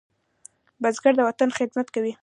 بزګر د وطن خدمت کوي